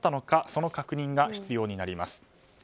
その確認が必要になります。